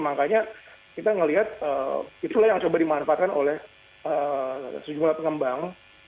makanya kita melihat itulah yang coba dimanfaatkan oleh sejumlah pengembang